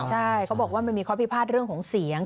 ใช่เขาบอกว่ามันมีข้อพิพาทเรื่องของเสียง